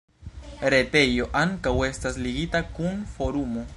Retejo ankaŭ estas ligita kun Forumo.